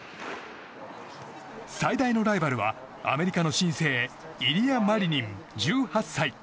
最大のライバルはアメリカの新星イリア・マリニン、１８歳。